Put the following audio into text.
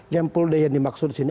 yang puldei yang dimaksud disini